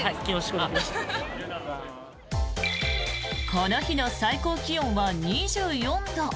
この日の最高気温は２４度。